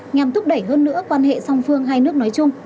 nhằm thúc đẩy hơn nữa quan hệ song phương hai nước nói chung